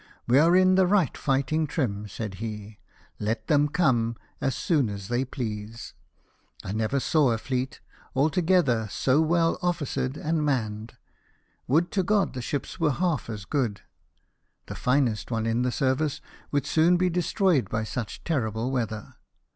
" We are in the right fighting trim," said he ;" let them come as soon as they please. I never saw a fleet, altogether, so well oflicered and manned ; would to God the ships were half as good ! The finest ones in the service would soon be destroyed by such terrible weather.